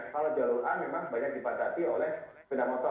kalau jalur a memang banyak dipatahi oleh peda motor